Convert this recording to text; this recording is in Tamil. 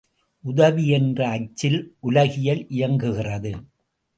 உதவி என்ற அச்சில் உலகியல் இயங்குகிறது.